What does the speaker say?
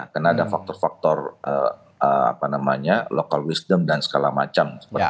karena ada faktor faktor apa namanya local wisdom dan segala macam seperti itu